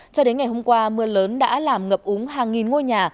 cho đến ngày hôm qua mưa lớn đã làm ngập úng hàng nghìn ngôi nhà